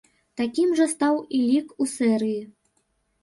Такім жа стаў і лік у серыі.